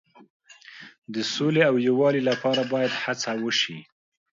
د سولې او یووالي لپاره باید هڅې وشي.